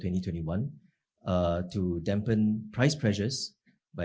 untuk memperlukan tekanan harga